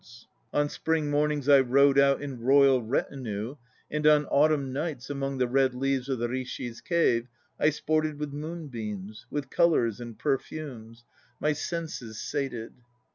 148 THE NO PLAYS OF JAPAN On spring mornings I rode out In royal retinue and on autumn nights Among the red leaves of the Rishis' Cave I sported with moonbeams, With colours and perfumes My senses sated.